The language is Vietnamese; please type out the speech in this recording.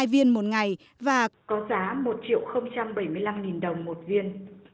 uống hai viên một ngày và có giá một triệu bảy mươi năm nghìn đồng một viên